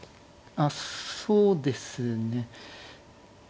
あっそうですね。